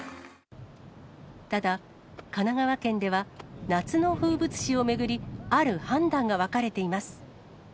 ただ、神奈川県では夏の風物詩を巡り、ある判断が分かれています。